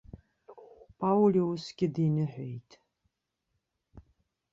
Паулиусгьы диныҳәеит!